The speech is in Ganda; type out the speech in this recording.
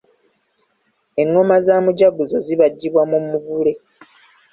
Engoma za mujaguzo zibajjibwa mu muvule.